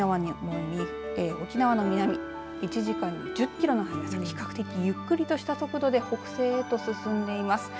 沖縄の南１時間に１０キロの速さで比較的ゆっくりとした速度で北西へと進んでいます。